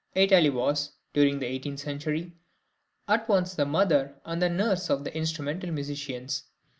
Italy was, during the eighteenth century, at once the mother and the nurse of instrumental musicians.